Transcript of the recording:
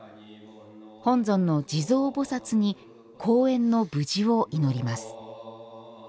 本尊の地蔵菩薩に公演の無事を祈ります。